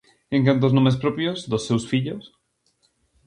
En canto aos nomes propios dos seus fillos: